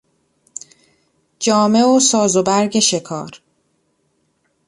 جامه و ساز و برگ شکار